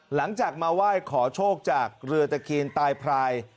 หลังจากมาไหว้ขอโชคจากเรือตะเคียนตายพราย